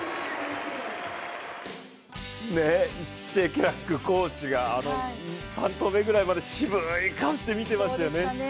シェケラックコーチが３投目ぐらいまで渋い顔して見てましたね。